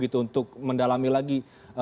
untuk mendalami lagi